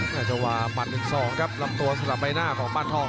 น่าจะว่าปัน๑๒ครับลำตัวสลับใบหน้าของปานทอง